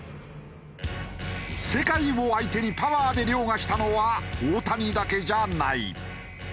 世界を相手にパワーで凌駕したのは大谷だけじゃない。